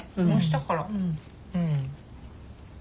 蒸したから。